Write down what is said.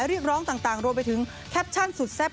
เรียกร้องต่างรวมไปถึงแคปชั่นสุดแซ่บ